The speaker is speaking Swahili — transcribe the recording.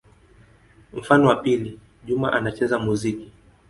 Mfano wa pili: Juma anacheza muziki.